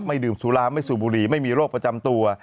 ดื่มสุราไม่สูบบุหรี่ไม่มีโรคประจำตัว